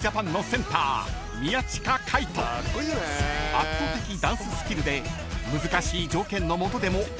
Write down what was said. ［圧倒的ダンススキルで難しい条件の下でも圧勝となるか？］